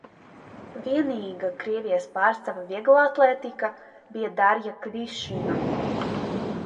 Vienīgā Krievijas pārstāve vieglatlētikā bija Darja Kļišina.